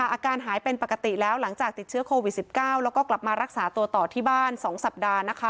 อาการหายเป็นปกติแล้วหลังจากติดเชื้อโควิด๑๙แล้วก็กลับมารักษาตัวต่อที่บ้าน๒สัปดาห์นะคะ